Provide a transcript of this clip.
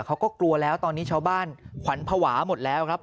เขาก็กลัวแล้วตอนนี้ชาวบ้านขวัญภาวะหมดแล้วครับ